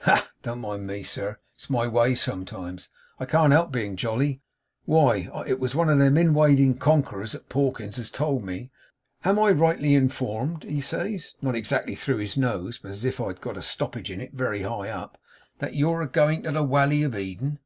Ha, ha! Don't mind me, sir; it's my way sometimes. I can't help being jolly. Why it was one of them inwading conquerors at Pawkins's, as told me. "Am I rightly informed," he says not exactly through his nose, but as if he'd got a stoppage in it, very high up "that you're a going to the Walley of Eden?"